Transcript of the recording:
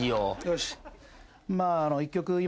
よし。